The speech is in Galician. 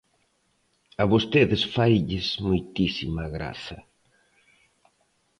A vostedes failles moitísima graza.